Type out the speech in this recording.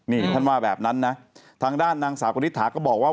นี่ท่านว่าแบบนั้นนะทางด้านนางสาวกณิตถาก็บอกว่า